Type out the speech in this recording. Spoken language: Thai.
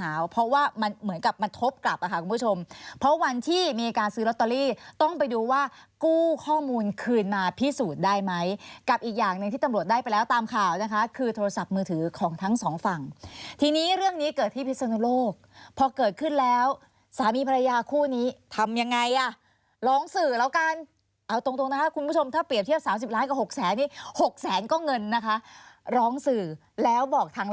ขับลมแน่นท้องเสียขับลมแน่นท้องเสียขับลมแน่นท้องเสียขับลมแน่นท้องเสียขับลมแน่นท้องเสียขับลมแน่นท้องเสียขับลมแน่นท้องเสียขับลมแน่นท้องเสียขับลมแน่นท้องเสียขับลมแน่นท้องเสียขับลมแน่นท้องเสียขับลมแน่นท้องเสียขับลมแน่นท้องเสียขับลมแน่นท้องเส